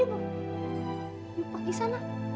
yuk pergi sana